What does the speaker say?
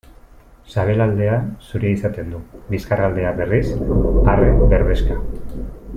Sabelaldea zuria izaten du; bizkarraldea, berriz, arre berdexka.